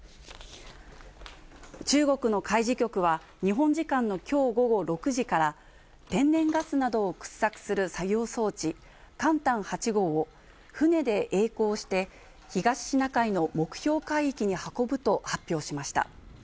中国の海事局は、日本時間のきょう午後６時から、天然ガスなどを掘削する作業装置、勘探８号を船でえい航して、東シナ海の目標海域に運ぶと発表しました。